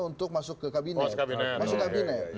untuk masuk ke kabinet